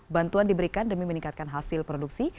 bantuan diberikan demi meningkatkan hasil produksi